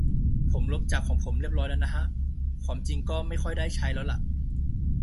ผมลบจากของผมเรียบแล้วนะฮะ ความจริงก็ไม่ค่อยได้ใช้ แล้วล่ะ